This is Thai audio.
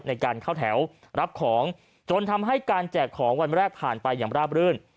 ในการเข้าแถวรับของจนทำให้การแจกของวันแรกผ่านไปอย่างราบรื่น